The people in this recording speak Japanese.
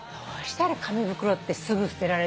紙袋ってすぐ捨てられない私。